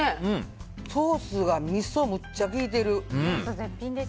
ソースがみそめっちゃ効いてる。